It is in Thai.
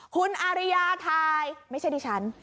คุณอาริยาทายไม่ใช่ดิฉัน